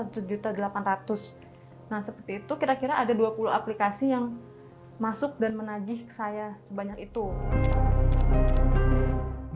nah seperti itu kira kira ada dua puluh aplikasi yang masuk dan menagih saya sebanyak itu